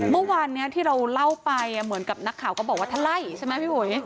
เมื่อวานนี้ที่เราเล่าไปเหมือนกับนักข่าวก็บอกว่าถ้าไล่ใช่ไหมพี่อุ๋ย